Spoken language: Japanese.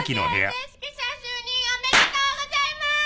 正指揮者就任おめでとうございまーす！